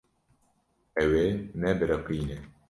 Ew ê nebiriqîne.